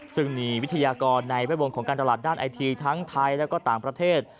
ซึ่งมีวิทยากรในแวดวงของการตลาดด้านไอทีทั้งไทยและก็ต่างประเทศ